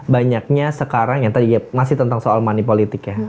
banyaknya sekarang yang tadi masih tentang soal money politik ya